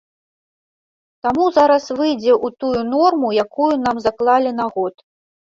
Таму зараз выйдзе ў тую норму, якую нам заклалі на год.